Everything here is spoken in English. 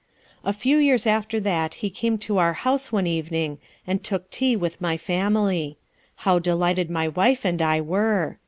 "A few years after that he came to our house one evening, and took tea with my family. How delighted my wife and I were!